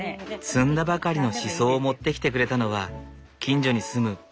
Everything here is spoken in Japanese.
摘んだばかりのしそを持ってきてくれたのは近所に住む池田千代さん。